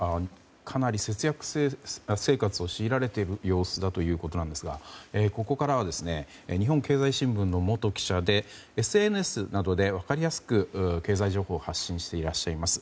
かなり節約生活を強いられている様子だということですがここからは日本経済新聞の元記者でＳＮＳなどで分かりやすく経済情報を発信していらっしゃいます